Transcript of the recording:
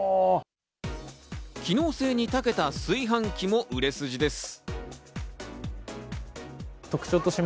機能性に長けた炊飯器も売れ筋です。